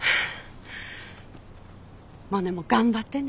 モネも頑張ってね。